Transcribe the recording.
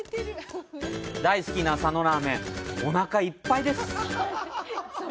大好きな佐野ラーメン、おなかいっぱいです！